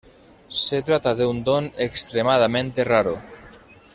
Se trata de un don extremadamente raro.